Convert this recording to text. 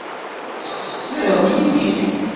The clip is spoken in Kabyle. Tettqeṣṣireḍ yid-i?